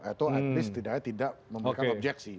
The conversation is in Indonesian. atau at least tidak memberikan objeksi